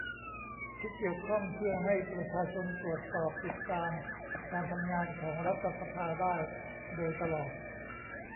ที่เกี่ยวข้องเพื่อให้ประชาชนตรวจสอบติดตามการทำงานของรัฐสภาได้โดยตลอด